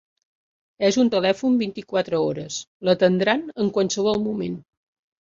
és un telèfon vint-i-quatre hores, l'atendran en qualsevol moment.